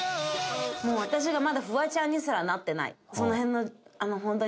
私がまだフワちゃんにすらなってない。